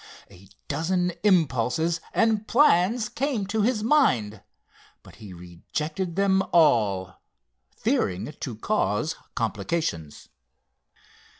A dozen impulses and plans came to his mind, but he rejected them all, fearing to cause complications.